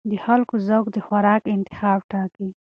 د خلکو ذوق د خوراک انتخاب ټاکي.